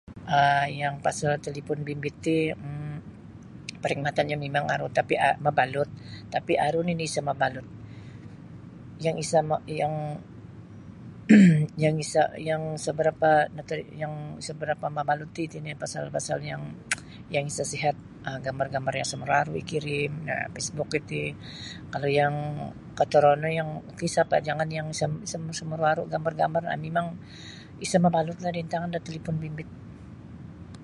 um Yang pasal talipun bimbit ti um parkhidmatanyo mimang aru tapi mabalut tapi aru nini isa mabalut yang isa ma yang yang isa yang isa barapa natari yang isa barapa mabalut ti pasal-pasal yang yang isa sihat um gambar-gambar yang samaruaru ikirim um pisbuk iti kalau yang katorono yang ok isa apa jangan yang isa isa maruaru gambar mimang isa mabalut lah da intangan da talipun bimbit.